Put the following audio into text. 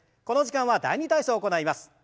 この時間は「第２体操」を行います。